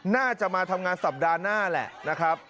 น่าจะมาทำงานสัปดาห์หน้าแหละนะครับ